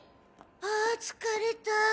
ああ疲れた。